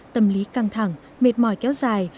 tâm lý căng thẳng mệt mỏi kéo dài